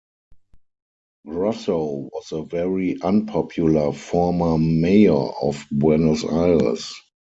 Grosso was a very unpopular former mayor of Buenos Aires.